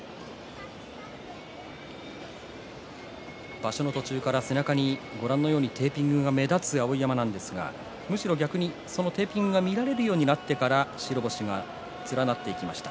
場所の途中から背中にテーピングが目立つ碧山ですがむしろ逆にそのテーピングが見られるようになってから白星が連なっていきました。